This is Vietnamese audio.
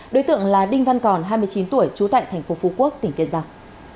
đối tượng là đinh văn còn hai mươi chín tuổi trú tại tp phú quốc tỉnh kiên giang